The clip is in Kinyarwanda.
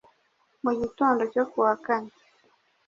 Mu gitondo cyo kuwa kane,